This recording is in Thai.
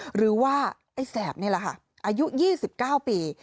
หรือว่าไอ้แสบนี่แหละค่ะอายุ๒๙ปี